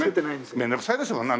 面倒くさいですもんね